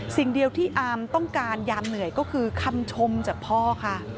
สิ่งเดียวที่อามต้องการยามเหนื่อยก็คือคำชมจากพ่อค่ะ